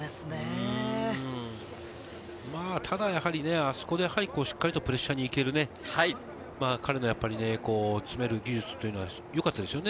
まぁ、だだやはりあそこで、しっかりと早くプレッシャーに行ける、彼の詰める技術というのはよかったですよね。